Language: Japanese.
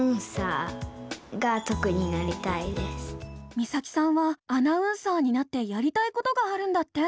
実咲さんはアナウンサーになってやりたいことがあるんだって。